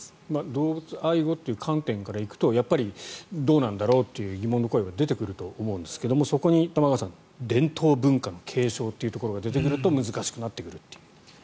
動物愛護っていう観点から行くとどうなんだろうっていう疑問の声は出てくると思うんですがそこに玉川さん伝統文化の継承というのが出てくると難しくなってくるという。